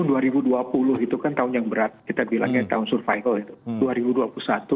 tahun dua ribu dua puluh itu kan tahun yang berat kita bilangnya tahun survival itu